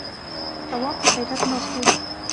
تواب په حيرت ناست و.